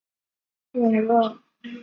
永乐元年。